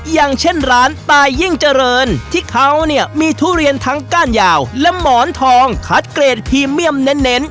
อย่างเช่นร้านตายยิ่งเจริญที่เขาเนี่ยมีทุเรียนทั้งก้านยาวและหมอนทองคัดเกรดพรีเมียมเน้น